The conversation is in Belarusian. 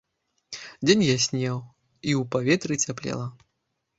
Дзень яснеў, і ў паветры цяплела.